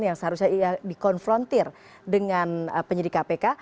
yang seharusnya dikonfrontir dengan penyidik kpk